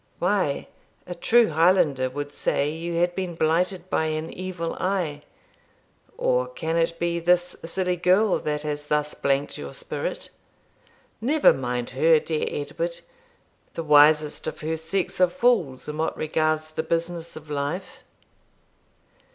Why, a true Highlander would say you had been blighted by an evil eye. Or can it be this silly girl that has thus blanked your spirit. Never mind her, dear Edward; the wisest of her sex are fools in what regards the business of life.'